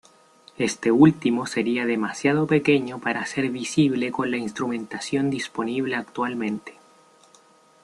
Este último sería demasiado pequeño para ser visible con la instrumentación disponible actualmente.